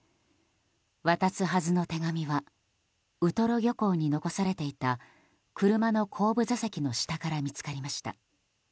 渡すはずの手紙はウトロ漁港に残されていた車の後部座席の下から見つかりました。